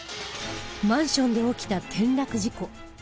マンションで起きた転落事故。